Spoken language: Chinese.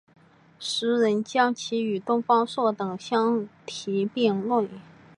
时人将其与东方朔等相提并比。